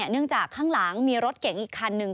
เนื่องจากข้างหลังมีรถเก๋งอีกคันหนึ่ง